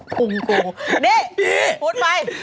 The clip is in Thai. พูดไป